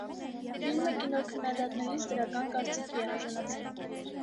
Ֆիլմը կինոքննադատներից դրական կարծիքի է արժանացել։